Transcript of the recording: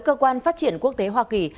cơ quan phát triển quốc tế hoa kỳ